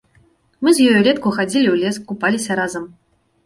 Мы з ёй улетку хадзілі ў лес, купаліся разам.